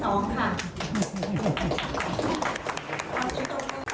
เรื่องที่๒ค่ะ